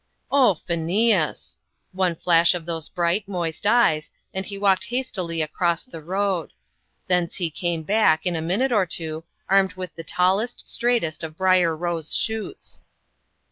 "O Phineas!" One flash of those bright, moist eyes, and he walked hastily across the road. Thence he came back, in a minute or two, armed with the tallest, straightest of briar rose shoots.